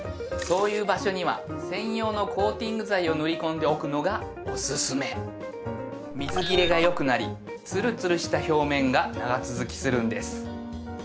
そういう場所には専用のコーティング剤を塗り込んでおくのがおすすめ水切れがよくなりつるつるした表面が長続きするんです